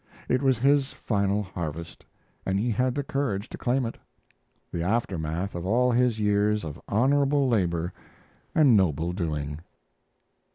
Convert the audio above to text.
It was his final harvest, and he had the courage to claim it the aftermath of all his years of honorable labor and noble living.